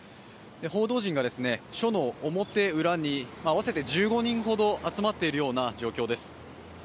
報道陣が署の表裏に合わせて１０人ほど集まっているような状況です。